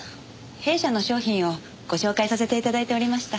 弊社の商品をご紹介させて頂いておりました。